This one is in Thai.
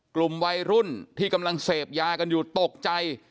กลุ่มวัยรุ่นที่กำลังเสพยากันอยู่ตกใจ